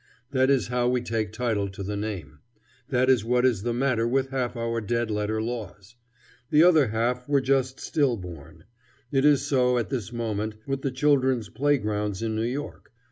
That is how we take title to the name. That is what is the matter with half our dead letter laws. The other half were just still born. It is so, at this moment, with the children's playgrounds in New York.